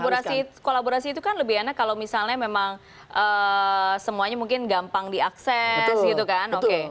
karena kolaborasi itu kan lebih enak kalau misalnya memang semuanya mungkin gampang diakses gitu kan